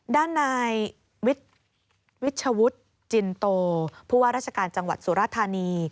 ด้านนายวิชวุฒิจินโตผู้ว่าราชการจังหวัดสุรธานี